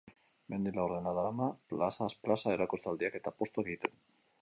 Mende laurdena darama plazaz plaza erakustaldiak eta apostuak egiten.